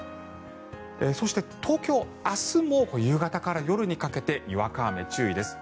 そして東京、明日も夕方から夜にかけてにわか雨、注意です。